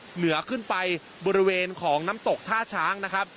เหนือขึ้นไปบริเวณของน้ำตกท่าช้างนะครับ